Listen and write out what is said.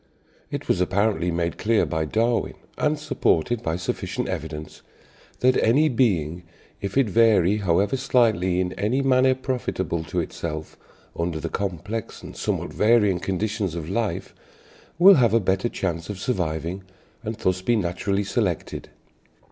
It was apparently made clear by Darwin, and supported by sufficient evidence, that "any being, if it vary however slightly, in any manner profitable to itself, under the complex and somewhat varying conditions of life, will have a better chance of surviving, and thus be naturally selected."